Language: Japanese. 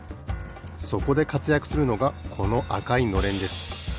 そこでかつやくするのがこのあかいのれんです。